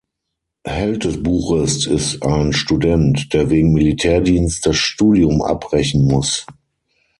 Held des Buches ist ein Student, der wegen Militärdienst das Studium abbrechen muss.